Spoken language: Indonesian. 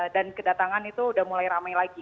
dan kedatangan itu sudah mulai ramai lagi